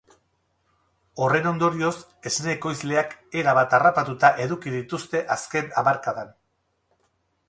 Horren ondorioz, esne ekoizleak erabat harrapatuta eduki dituzte azken hamarkadan.